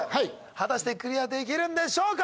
果たしてクリアできるんでしょうか？